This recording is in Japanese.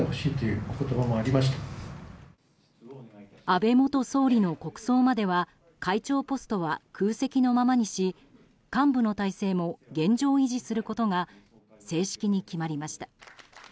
安倍元総理の国葬までは会長ポストは空席のままにし幹部の体制も現状維持することが正式に決まりました。